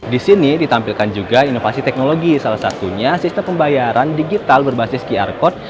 di sini ditampilkan juga inovasi teknologi salah satunya sistem pembayaran digital berbasis qr code